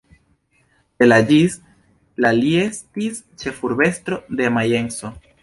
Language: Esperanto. De la ĝis la li estis ĉefurbestro de Majenco.